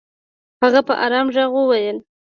هغه په ارام ږغ وويل.